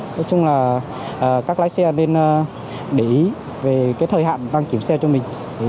nói chung là các lái xe nên để ý về cái thời hạn đăng kiểm xe cho mình